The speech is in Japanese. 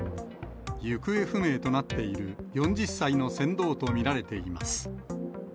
行方不明となっている４０歳の船頭と見られています。